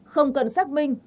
không cần xác minh